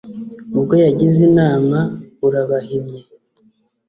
ubwo yagize inama urabahimye.